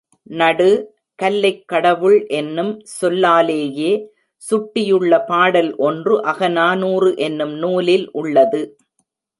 நடு, கல்லைக் கடவுள் என்னும் சொல்லாலேயே சுட்டியுள்ள பாடல் ஒன்று அகநானூறு என்னும் நூலில் உள்ளது.